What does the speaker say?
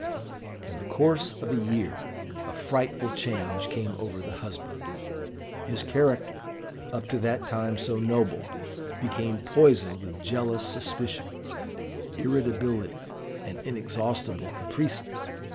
"In the course of a year a frightful change came over the husband. His character, up to that time so noble, became poisoned with jealous suspicions, irritability, and inexhaustible caprices.